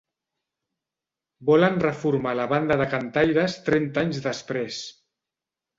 Volen reformar la banda de cantaires trenta anys després.